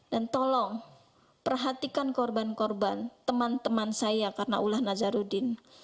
dan tolong perhatikan korban korban teman teman saya karena ulah nazarudin